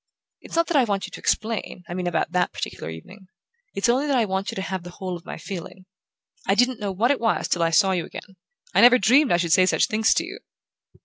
It's not that I want you to explain I mean about that particular evening. It's only that I want you to have the whole of my feeling. I didn't know what it was till I saw you again. I never dreamed I should say such things to you!"